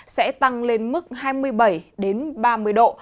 sẽ tăng lên mức hai mươi bảy ba mươi độ